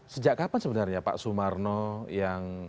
sejak kapan sebenarnya pak sumarno yang